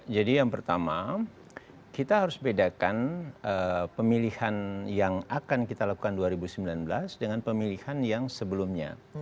jadi yang pertama kita harus bedakan pemilihan yang akan kita lakukan dua ribu sembilan belas dengan pemilihan yang sebelumnya